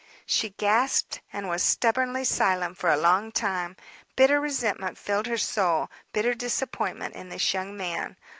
She gasped and was stubbornly silent for a long time. Bitter resentment filled her soul, bitter disappointment in this young man.